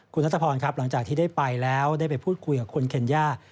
คุณนัทพรครับหลังจากที่ได้ไปแล้วได้ไปพูดคุยกับคุณเคนย่า